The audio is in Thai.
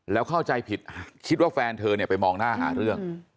แล้วเข้าใจผิดคิดว่าแฟนเธอเนี่ยไปมองหน้าหาเรื่อง